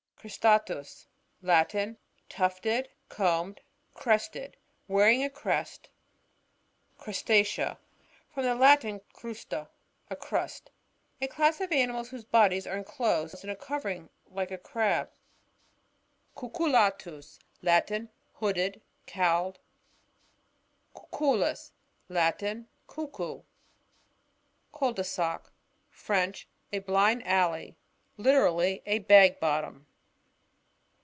Cristatus.— Latin. Tufted, combed, crested ; wearing a crest. Crustacea. — From the Latin, crnski, a crust. A class of animals whose bodies are endosed in ft covering like the crab. Cucullatus — Latin. H coded jOOwled. Cucui us. — Latin. Cnckoo. Cul de sac. — French. A blind alley ; literally, a bag bottom.